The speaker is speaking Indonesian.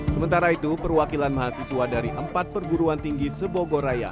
sementara itu perwakilan mahasiswa dari empat perguruan tinggi sebogoraya